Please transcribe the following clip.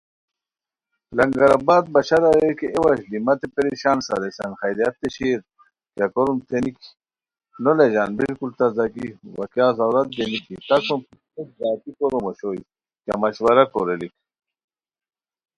لنگرآباد بشار اریر کی اے وشلی متے پریشان سریسان خیریت تھے شیر کیہ کوروم تھے نِکی ؟ نو لہ ژان بالکل تازگی وا کیاغ ضررت دی نِکی تہ سُم پُھک کھوشت ذاتی کوروم اوشوئے کیہ مشورہ کوریلیک